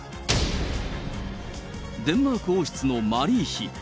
デンマーク王室のマリー妃。